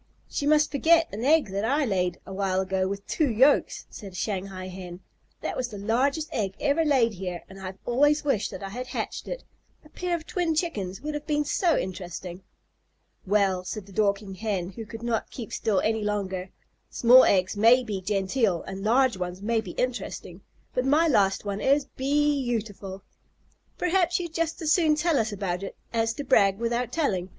"She must forget an egg that I laid a while ago with two yolks," said a Shanghai Hen. "That was the largest egg ever laid here, and I have always wished that I had hatched it. A pair of twin chickens would have been so interesting." "Well," said the Dorking Hen, who could not keep still any longer, "small eggs may be genteel and large ones may be interesting, but my last one is bee autiful." "Perhaps you'd just as soon tell us about it as to brag without telling?"